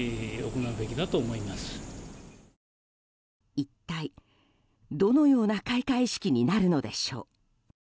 一体どのような開会式になるのでしょう。